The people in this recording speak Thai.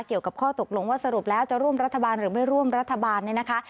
เกี่ยวกับข้อตกลงว่าสรุปแล้วจะร่วมรัฐบาลหรือไม่ร่วมรัฐบาลเนี่ยนะคะ